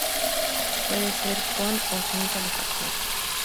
Puede ser con o sin calefacción.